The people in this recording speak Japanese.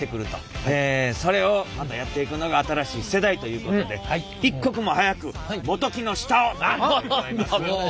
それをまたやっていくのが新しい世代ということで一刻も早く本木の下を！